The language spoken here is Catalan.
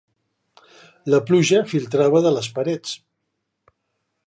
La pluja filtrava de les parets.